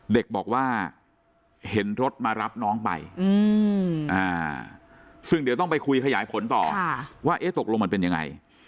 เด็กบอกว่าเห็นรถมารับน้องไปซึ่งเดี๋ยวต้องไปคุยขยายผลต่อว่าตกลงมันเป็นยังไง